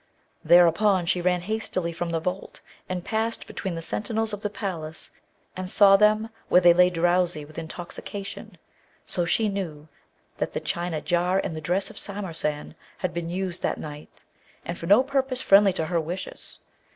Thereupon she ran hastily from the vault, and passed between the sentinels of the palace, and saw them where they lay drowsy with intoxication: so she knew that the China jar and the dress of Samarcand had been used that night, and for no purpose friendly to her wishes.